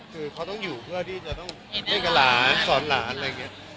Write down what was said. คือเขาต้องอยู่เพื่อที่จะเล่นกับหลานสอนหลานอะไรเงี่ย